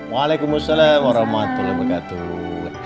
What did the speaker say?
waalaikumsalam warahmatullahi wabarakatuh